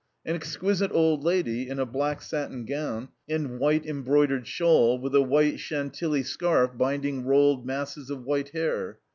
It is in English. An exquisite old lady in a black satin gown and white embroidered shawl, with a white Chantilly scarf binding rolled masses of white hair.